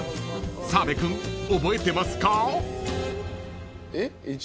澤部君覚えてますか？］